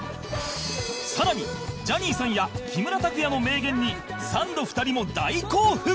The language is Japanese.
さらにジャニーさんや木村拓哉の名言にサンド２人も大興奮！